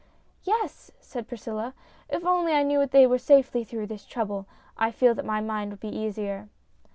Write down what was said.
" Yes," said Priscilla ;" if I only knew that they were safely through this trouble, I feel that my mind would be easier."